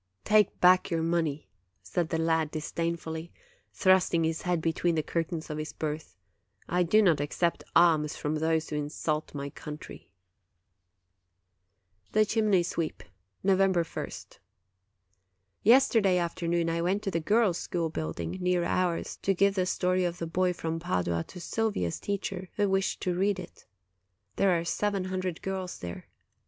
" Take back your money !' said the lad, disdainfully, thrusting his head between the curtains of his berth; 'I do not accept alms from those who insult my country!' " 22 OCTOBER THE CHIMNEY SWEEP November ist. Yesterday afternoon I went to the girls' school building, near ours, to give the story of the boy from Padua to Sylvia's teacher, who wished to read it. There are seven hundred girls there.